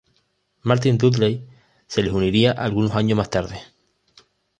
Martin Dudley se les uniría algunos años más tarde.